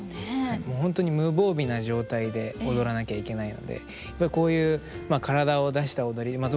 本当に無防備な状態で踊らなきゃいけないのでこういう体を出した踊りまあ